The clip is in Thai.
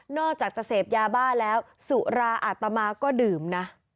อกจากจะเสพยาบ้าแล้วสุราอาตมาก็ดื่มนะ